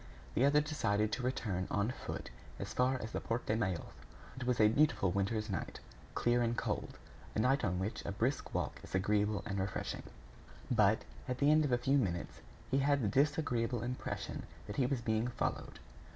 The other decided to return on foot as far as the Porte Maillot. It was a beautiful winter's night, clear and cold; a night on which a brisk walk is agreeable and refreshing. But, at the end of a few minutes, he had the disagreeable impression that he was being followed.